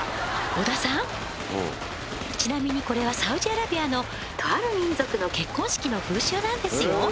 小田さんちなみにこれはサウジアラビアのとある民族の結婚式の風習なんですよ